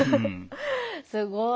すごい。